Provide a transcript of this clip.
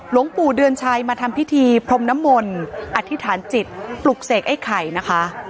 หลวงปู่เดือนชัยมาทำพิธีพรมน้ำมนต์อธิษฐานจิตปลุกเสกไอ้ไข่นะคะ